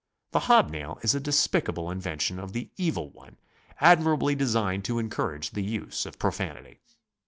The hob nail is a despicable invention of the Evil One, admir ably designed to encourage the use of profanity.